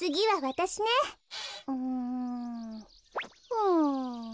うん。